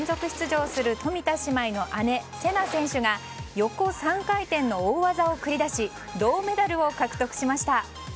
出場する冨田姉妹の姉・せな選手が横３回転の大技を繰り出し銅メダルを獲得しました。